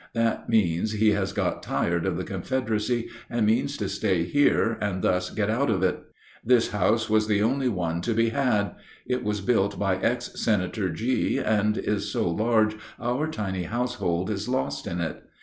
That means he has got tired of the Confederacy and means to stay here and thus get out of it. This house was the only one to be had. It was built by ex Senator G., and is so large our tiny household is lost in it.